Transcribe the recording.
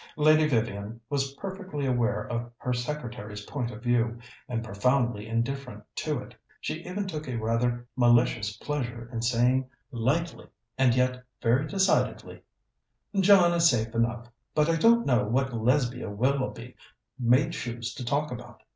Lady Vivian was perfectly aware of her secretary's point of view, and profoundly indifferent to it. She even took a rather malicious pleasure in saying lightly and yet very decidedly: "John is safe enough, but I don't know what Lesbia Willoughby may choose to talk about.